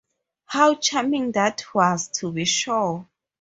How charming that was, to be sure!